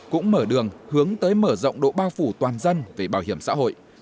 cũng mở đường hướng tới mở rộng độ bao phủ toàn dân về bảo hiểm xã hội